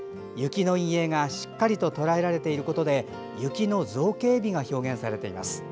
雪の陰影が、しっかりととらえられていることで雪の造形美が表現されています。